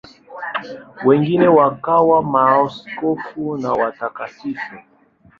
Wengine wakawa maaskofu na watakatifu.